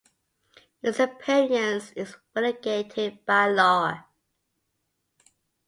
Its appearance is regulated by law.